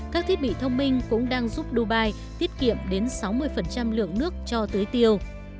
các thiết bị thông minh cũng đang giúp dubai tiết kiệm đến sáu mươi lượng nước cho tới tiêu